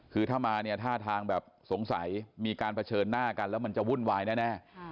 คือถ้ามาเนี่ยท่าทางแบบสงสัยมีการเผชิญหน้ากันแล้วมันจะวุ่นวายแน่